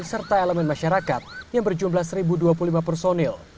serta elemen masyarakat yang berjumlah satu dua puluh lima personil